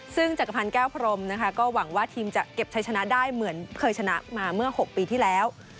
ซึ่งจักรพันธ์แก้วพรมนะคะก็หวังว่าทีมจะเก็บชัยชนะได้เหมือนเคยชนะมาเมื่อ๖ปีที่แล้ว